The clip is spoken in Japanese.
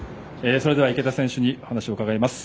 それでは、池田選手に話を伺います。